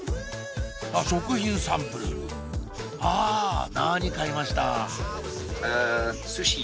あっ食品サンプルあ何買いました？